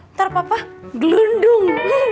ntar papa gelundung